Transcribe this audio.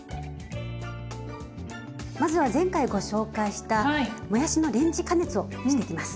まずは前回ご紹介したもやしのレンジ加熱をしていきます。